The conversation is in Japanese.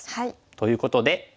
ということで。